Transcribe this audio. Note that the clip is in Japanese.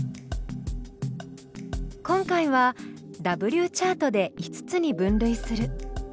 今回はＷチャートで５つに分類する。